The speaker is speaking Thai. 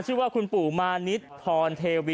ชื่อว่าคุณปู่มานิดพรเทวี